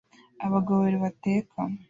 Abagabo babiri bateka